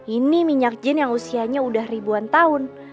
ini minyak jen yang usianya udah ribuan tahun